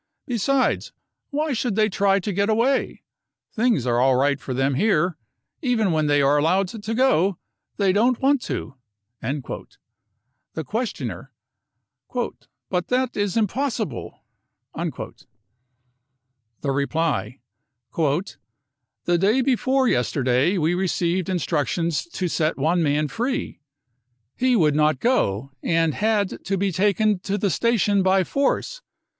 Besides, why should they try to get away ? Things are all right for them here. Even when they are allowed to go they don't want to." The questioner : 44 But that is impossible ?" The reply : 44 The day before yesterday we received in structions to set one man free. He would not go, and had to be taken to the station by force.